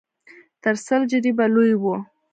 تر سل جريبه لوى و.